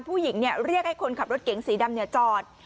เรียกให้คนขับรถเก๋งสีดำจอด